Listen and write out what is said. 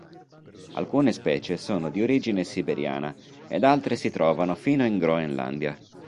Alcune specie sono di origine siberiana ed altre si trovano fino in Groenlandia.